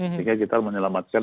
sehingga kita menyelamatkan